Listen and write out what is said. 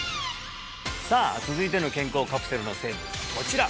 さあ続いての健康カプセルの成分こちら！